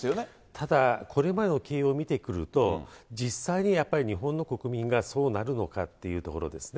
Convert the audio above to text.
ただ、これまでの経緯を見てくると、実際にやっぱり、日本の国民がそうなるのかっていうところですね。